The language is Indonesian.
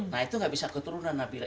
nah itu gak bisa keturunan nabilah